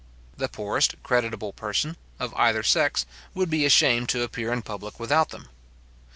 The poorest creditable person, of either sex, would be ashamed to appear in public without them.